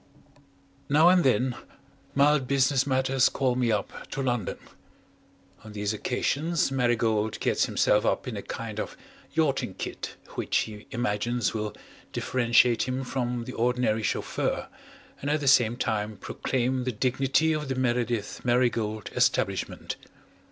Now and then mild business matters call me up to London. On these occasions Marigold gets himself up in a kind of yachting kit which he imagines will differentiate him from the ordinary chauffeur and at the same time proclaim the dignity of the Meredyth Marigold establishment.